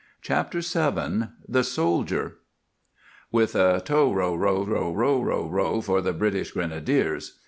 CHAPTER VII THE SOLDIER "With a tow row row row row row for the British Grenadiers!"